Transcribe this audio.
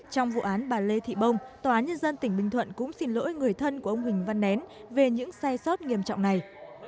trong vụ án bà lê thị bông tòa nhân dân tỉnh bình thuận cũng xin lỗi người thân của ông huỳnh văn nén về những sai sót nghiêm trọng này